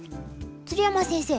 鶴山先生